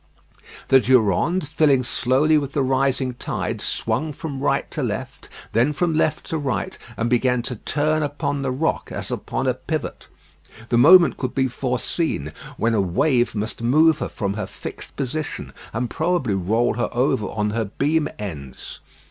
The Durande, filling slowly with the rising tide, swung from right to left, then from left to right, and began to turn upon the rock as upon a pivot. The moment could be foreseen when a wave must move her from her fixed position, and probably roll her over on her beam ends.